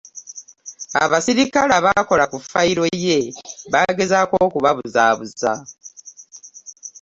Abasirikale abakola ku ffayiro ye baagezaako okubabuzaabuza